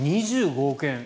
２５億円。